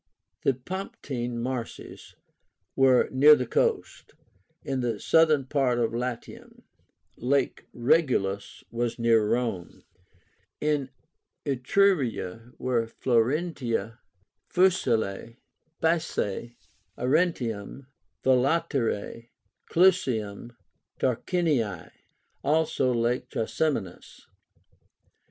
The Pomptine Marshes were near the coast, in the southern part of Latium. Lake Regillus was near Rome. In Etruria were Florentia, Faesulae, Pisae, Arretium, Volaterrae, Clusium, and Tarquinii; also Lake Trasiménus.